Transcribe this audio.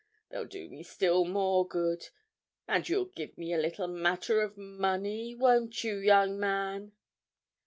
They'll do me still more good. And you'll give me a little matter of money, won't you, young man?"